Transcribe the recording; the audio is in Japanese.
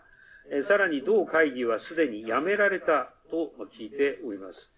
さらに同会議はすでに辞められたと聞いております。